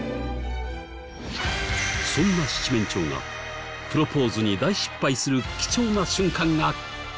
そんな七面鳥がプロポーズに大失敗する貴重な瞬間がこちら。